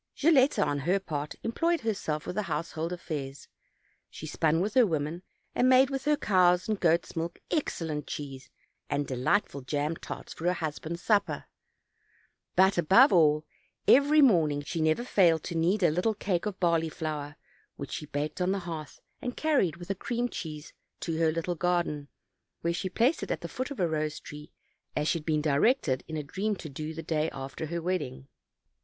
Gilletta, on her part, employed herself with the house hold affairs; she spun with her women, and made with her cows' and goats' milk excellent cheese, and delight ful jam tarts for her husband's supper; but, above all, every morning she never failed to knead a little cake of barley flour, which she baked on the hearth, and carried, OLD, OLD FAIRY TALKS. 245 with a cream cheese, to her little garden, where she placed it at the foot of a rose tree, as she had been directed in a dream to do the day after her wedding.